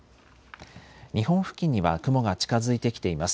日本付近には雲が近づいてきています。